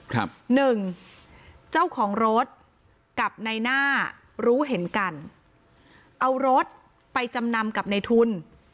ครับหนึ่งเจ้าของรถกับในหน้ารู้เห็นกันเอารถไปจำนำกับในทุน